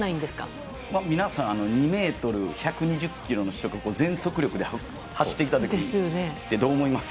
皆さん、２メートル、１２０キロの人が全速力で走ってきたときって、どう思います？